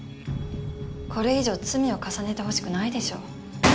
これ以上罪を重ねてほしくないでしょ？